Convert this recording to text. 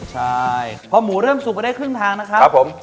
ใช่พอหมูเริ่มสุกไปได้ครึ่งทางนะครับครับผม